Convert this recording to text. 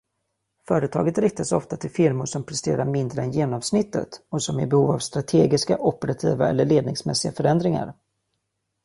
Företaget riktar sig ofta till firmor som presterar mindre än genomsnittet och som är i behov av strategiska, operativa eller ledningsmässiga förändringar.